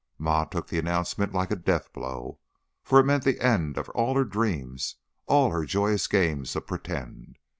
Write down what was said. Ma took the announcement like a death blow, for it meant the end of all her dreams, all her joyous games of "pretend."